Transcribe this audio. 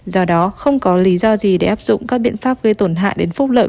do đó không có lý do gì để áp dụng các biện pháp gây tổn hại đến phúc lợi